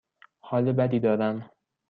حال بدی دارم.